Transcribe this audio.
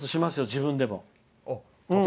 自分でも。